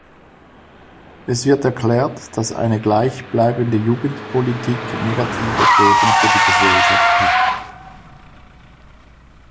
Es wird erklärt, dass eine gleichbleibende Jugendpolitik negative Folgen für die Gesellschaft hat.